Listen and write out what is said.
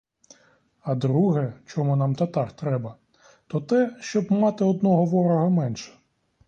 А друге, чому нам татар треба, то те, щоб мати одного ворога менше.